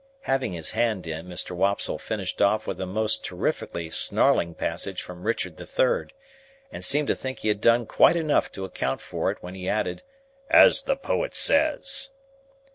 Having his hand in, Mr. Wopsle finished off with a most terrifically snarling passage from Richard the Third, and seemed to think he had done quite enough to account for it when he added, "—as the poet says."